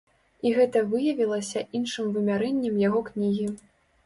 І гэта выявілася іншым вымярэннем яго кнігі.